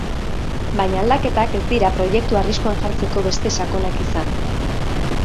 Baina aldaketak ez dira proiektua arriskuan jartzeko beste sakonak izan.